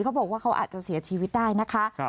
เขาบอกว่าเขาอาจจะเสียชีวิตได้นะคะ